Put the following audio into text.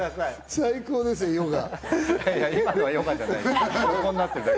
最高ですよ、ヨガ。